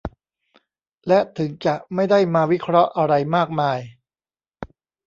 และถึงจะไม่ได้มาวิเคราะห์อะไรมากมาย